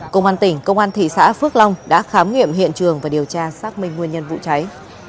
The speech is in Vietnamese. công an tỉnh công an thị xã phước long đã khám nghiệm hiện trường và điều tra xác minh nguyên nhân vụ cháy